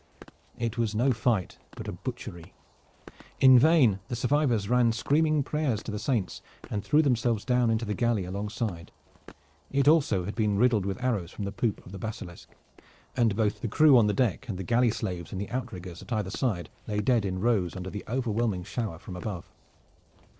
It was no fight, but a butchery. In vain the survivors ran screaming prayers to the saints and threw themselves down into the galley alongside. It also had been riddled with arrows from the poop of the Basilisk, and both the crew on the deck and the galley slaves in the outriggers at either side lay dead in rows under the overwhelming shower from above.